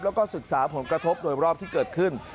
แล้วก็ศึกษาผลกระทบโดยรอบที่เกิดขึ้น